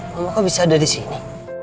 mama kamu bisa ada di sini